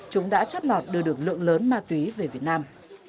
chúng đã chót lọt đưa được lượng lớn ma túy về việt nam